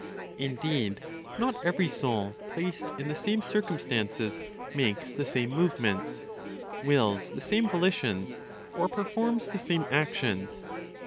Indeed, not every soul placed in the same circumstances makes the same movements, wills the same volitions, or performs the same actions.